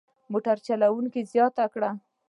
موټر چلوونکي زیاته کړه.